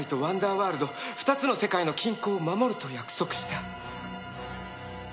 ワールド２つの世界の均衡を守ると約束した。